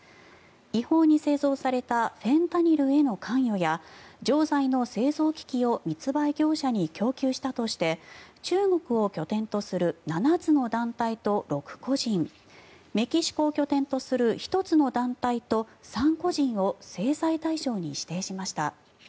違法に製造されたフェンタニルへの関与や錠剤の製造機器を密売業者に供給したとして中国を拠点とする７つの団体と６個人メキシコを拠点とする１つの団体と３個人を制裁対象に指定しました。